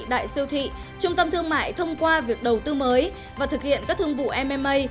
tại siêu thị trung tâm thương mại thông qua việc đầu tư mới và thực hiện các thương vụ mma